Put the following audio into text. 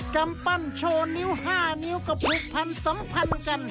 กำปั้นโชว์นิ้ว๕นิ้วก็ผูกพันสัมพันธ์กัน